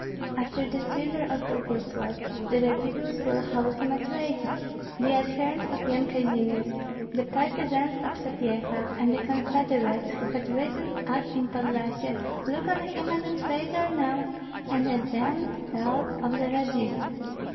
After the seizure of Boguslav, the Radzivills will hold him a traitor; the adherents of Yan Kazimir, the partisans of Sapyeha, and the confederates who had risen up in Podlyasye look on him as a traitor now, and a damned soul of the Radzivills.